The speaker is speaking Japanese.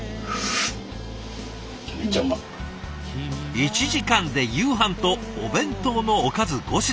１時間で夕飯とお弁当のおかず５品。